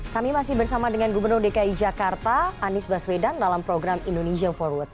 kami masih bersama dengan gubernur dki jakarta anies baswedan dalam program indonesia forward